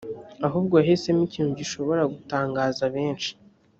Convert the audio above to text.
ahubwo yahisemo ikintu gishobora gutangaza benshi